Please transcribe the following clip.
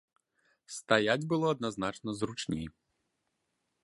Стаяць было адназначна зручней.